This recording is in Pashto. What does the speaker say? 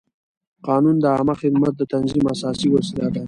قانون د عامه خدمت د تنظیم اساسي وسیله ده.